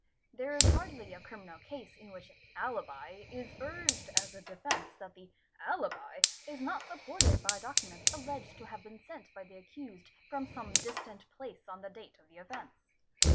There is hardly a criminal case in which alibi is urged as a defence that the alibi is not supported by documents alleged to have been sent by the accused from some distant | place on the date of the offence.